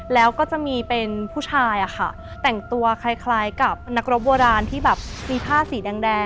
แล้วก็จะมีเป็นผู้ชายอะค่ะแต่งตัวคล้ายกับนักรบโบราณที่แบบมีผ้าสีแดง